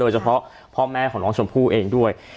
เฉพาะพ่อแม่ของน้องชมพู่เองด้วย